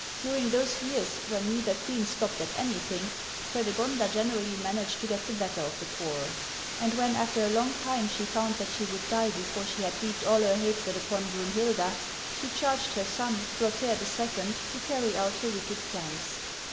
During those years, when neither queen stopped at anything, Fredegonda generally managed to get the better of the quarrel. And when, after a long time, she found that she would die before she had wreaked all her hatred upon Brunhilda, she charged her son, Clotaire II., to carry out her wicked plans.